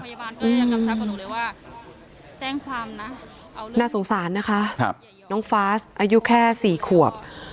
แจ้งความนะน่าสงสารนะคะครับน้องฟาสอายุแค่สี่ขวบ